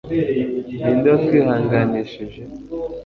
Ninde watwihanganishije